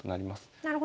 なるほど。